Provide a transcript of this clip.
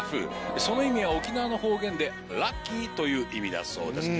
その意味は沖縄の方言で「ラッキー」という意味だそうです。